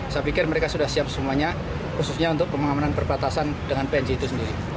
saya pikir mereka sudah siap semuanya khususnya untuk pengamanan perbatasan dengan pnj itu sendiri